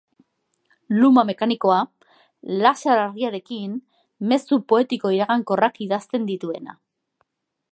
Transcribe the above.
Luma mekanikoa, laser argiarekin mezu poetiko iragankorrak idazten dituena.